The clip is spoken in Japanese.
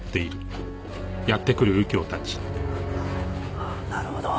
ああなるほど。